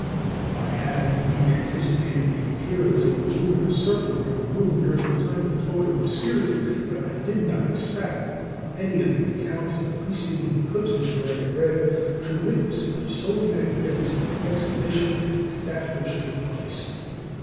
I had indeed anticipated the appearance of a luminous circle round the moon during the time of total obscurity; but I did not expect, from any of the accounts of preceding eclipses that I had read, to witness so magnificent an exhibition as that which took place....